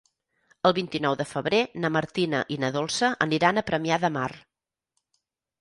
El vint-i-nou de febrer na Martina i na Dolça aniran a Premià de Mar.